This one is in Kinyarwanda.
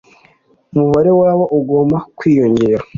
umubare wabo ugomba kwiyongera